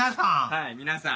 はい皆さん。